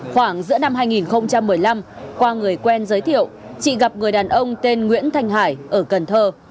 khoảng giữa năm hai nghìn một mươi năm qua người quen giới thiệu chị gặp người đàn ông tên nguyễn thanh hải ở cần thơ